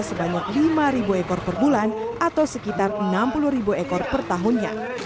sebanyak lima ekor per bulan atau sekitar enam puluh ribu ekor per tahunnya